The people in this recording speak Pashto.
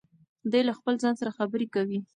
دی له خپل ځان سره خبرې کوي.